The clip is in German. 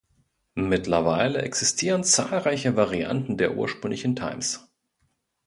Mittlerweile existieren zahlreiche Varianten der ursprünglichen Times.